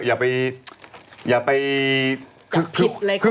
อย่าไปผิดหลายคนมาก